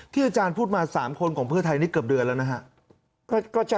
อาจารย์พูดมา๓คนของเพื่อไทยนี่เกือบเดือนแล้วนะครับ